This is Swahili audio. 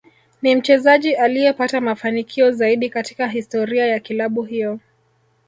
Ni mchezaji aliyepata mafanikio zaidi katika historia ya kilabu hiyo